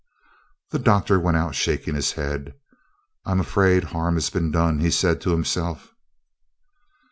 The Doctor went out shaking his head. "I am afraid harm has been done," he said to himself.